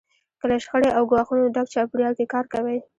که له شخړې او ګواښونو ډک چاپېریال کې کار کوئ.